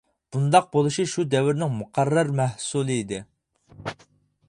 بۇنداق بولۇشى شۇ دەۋرنىڭ مۇقەررەر مەھسۇلى ئىدى.